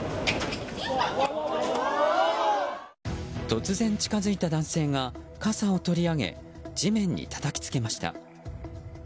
突然、近づいた男性が傘を取り上げ地面にたたきつけました。